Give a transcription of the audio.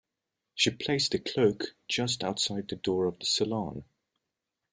She placed the cloak just outside the door of the salon.